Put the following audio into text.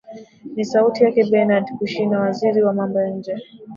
ni sauti yake benerd kushina waziri wa mambo ya nje